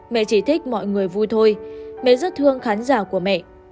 mẹ chỉ thích mọi người vui thôi mẹ rất thương khán giả của mẹ